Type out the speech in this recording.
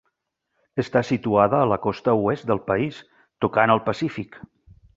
Està situada a la costa oest del país, tocant al Pacífic.